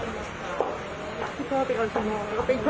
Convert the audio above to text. พี่พ่อไปเอาวันสมองแล้วก็ไปยอมพร้อม